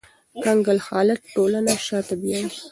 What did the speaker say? کنګل حالت ټولنه شاته بیایي